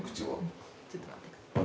ちょっと待って下さい。